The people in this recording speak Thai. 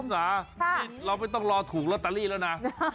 คุณชิสะเราไม่ต้องรอถูกละตัลลี่แล้วนะ